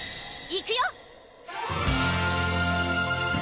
いくよ！